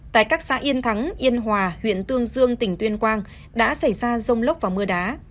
tại các xã yên thắng yên hòa huyện tương dương tỉnh tuyên quang đã xảy ra rông lốc và mưa đá